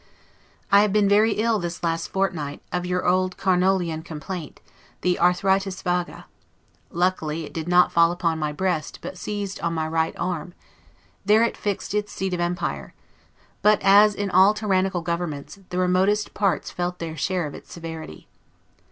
I have been very ill this last fortnight, of your old Carniolian complaint, the 'arthritis vaga'; luckily, it did not fall upon my breast, but seized on my right arm; there it fixed its seat of empire; but, as in all tyrannical governments, the remotest parts felt their share of its severity.